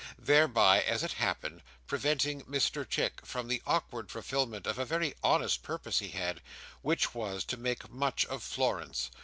Thereby, as it happened, preventing Mr Chick from the awkward fulfilment of a very honest purpose he had; which was, to make much of Florence.